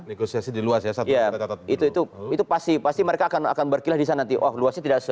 negosiasi di luas ya